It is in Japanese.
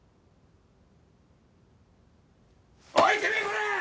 おいてめえこらぁ！